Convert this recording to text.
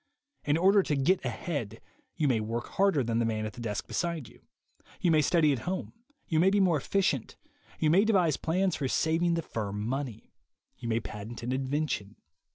In order to "get ahead," you may work harder than the man at the desk beside you; you may study at home, you may be more efficient, you may devise plans for saving the firm money; you may patent an invention.